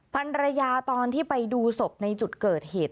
ภรรยาตอนที่ไปดูศพในจุดเกิดเหตุ